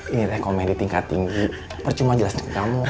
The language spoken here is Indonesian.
ini rekomendasi tingkat tinggi percuma jelas dengan kamu